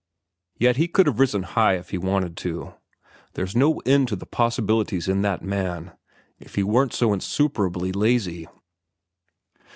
Yet he could have risen high if he wanted to. There's no end to the possibilities in that man—if he weren't so insuperably lazy."